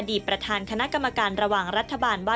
ประธานคณะกรรมการระหว่างรัฐบาลว่า